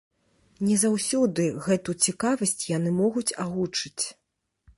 Не заўсёды гэту цікавасць яны могуць агучыць.